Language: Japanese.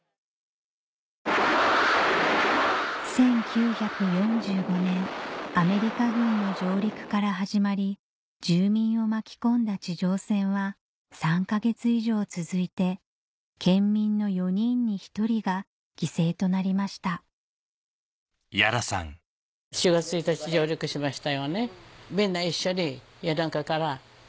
１９４５年アメリカ軍の上陸から始まり住民を巻き込んだ地上戦は３か月以上続いて県民の４人に１人が犠牲となりました３日くらいかかりました。